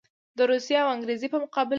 د روسیې او انګرېز په مقابل کې.